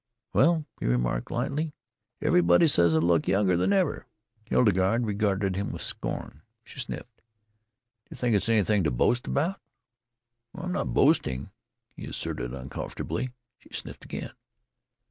"Well," he remarked lightly, "everybody says I look younger than ever." Hildegarde regarded him with scorn. She sniffed. "Do you think it's anything to boast about?" "I'm not boasting," he asserted uncomfortably. She sniffed again.